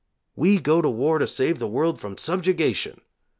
We go to war to save the world from subjugation!